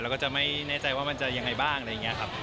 แล้วก็จะไม่แน่ใจว่ามันจะยังไงบ้างอะไรอย่างนี้ครับ